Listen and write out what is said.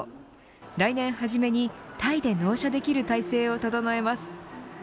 来年初めに、タイで納車できる体制を整えます。